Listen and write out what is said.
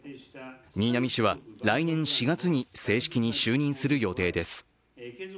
新浪氏は、来年４月に正式に就任する予定です。